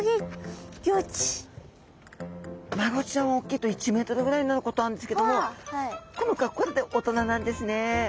マゴチちゃんは大きいと１ｍぐらいになることあるんですけどもこの子はこれで大人なんですね。